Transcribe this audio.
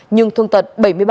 nhưng thương tật bảy mươi ba